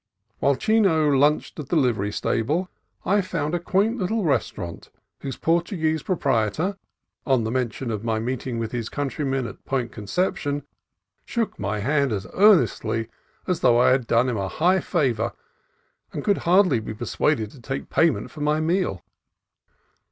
While Chino lunched at the livery stable I found a quaint little restaurant whose Portu guese proprietor, on the mention of my meeting with his countrymen at Point Conception, shook my hand as earnestly as though I had done him a high favor, and would hardly be persuaded to take pay ment for my meal.